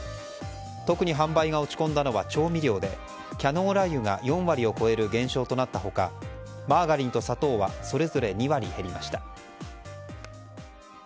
特に販売が落ち込んだのは調味料でキャノーラ油が４割を超える減少となった他マーガリンと砂糖はそれぞれ２割減りました。